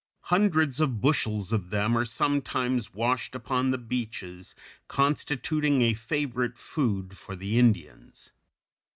Hundreds of bushels of them are sometimes washed upon the beaches, constituting a favorite food for the Indians.